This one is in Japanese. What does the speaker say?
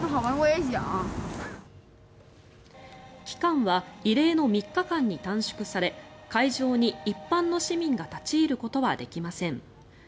期間は異例の３日間に短縮され会場に一般の市民が立ち入ることはできません。